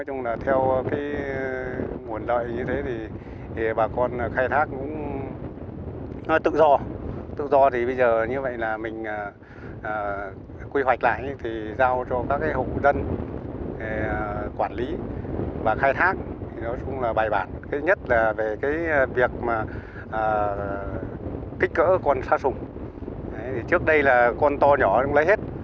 cái việc kích cỡ con sát sùng trước đây là con to nhỏ cũng lấy hết